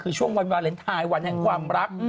คือช่วงวันวาเลนไทยวันแห่งความรัก